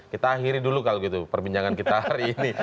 kita akhiri dulu kalau gitu perbincangan kita hari ini